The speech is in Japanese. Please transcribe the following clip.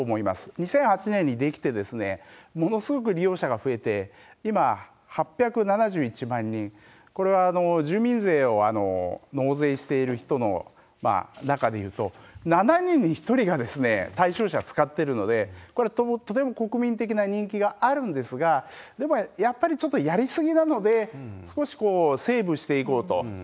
２００８年に出来て、ものすごく利用者が増えて、今、８７１万人、これは住民税を納税している人の中でいうと、７人に１人が対象者使ってるので、これはとても国民的な人気があるんですが、でも、やっぱりちょっとやり過ぎなので、少しセーブしていこうと。